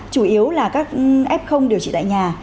chủ yếu là các f điều trị tại nhà